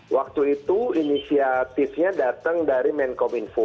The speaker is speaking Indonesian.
waktu itu inisiatifnya datang dari menkominfo